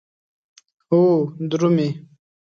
او درومې